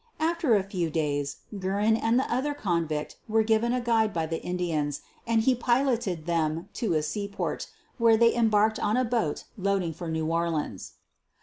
After a few days Guerin and the other convict were given a guide by the Indians and he piloted them to a sea port, where they embarked on a boat loading for New Orleans.